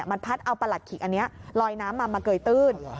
มันพัดเอาประหลัดขิกอันนี้ลอยน้ำมามาเกยตื้น